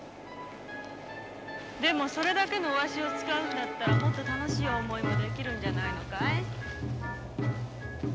でもそれだけの御足を使うんだったらもっと楽しい思いもできるんじゃないのかい？